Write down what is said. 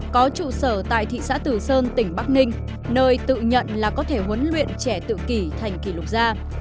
có trụ sở tại thị xã tử sơn tỉnh bắc ninh nơi tự nhận là có thể huấn luyện trẻ tự kỷ thành kỷ lục gia